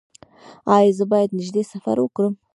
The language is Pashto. ایا زه باید نږدې سفر وکړم؟